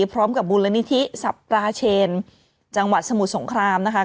พร้อมกับบุญและนิทิศัพราเชนจังหวัดสมุทรสงครามนะคะ